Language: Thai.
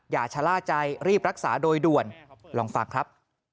อย่าชะล่าใจรีบรักษาโดยด่วนลองฟังครับ